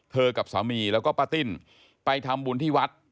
กับสามีแล้วก็ป้าติ้นไปทำบุญที่วัด